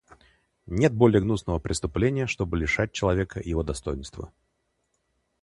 Нет более гнусного преступления, чтобы лишать человека его достоинства.